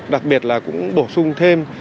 đặc biệt là cũng bổ sung thêm